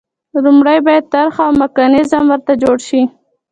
لومړی باید طرح او میکانیزم ورته جوړ شي.